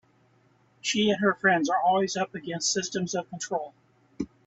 She and her friends are always up against systems of control.